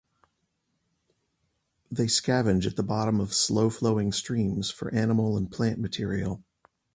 They scavenge at the bottom of slow flowing streams for animal and plant material.